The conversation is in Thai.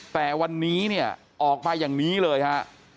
แต่วันนี้เนี่ยออกมาอย่างนี้เลยฮะ